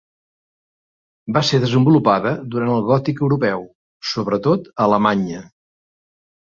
Va ser desenvolupada durant el gòtic europeu, sobretot a Alemanya.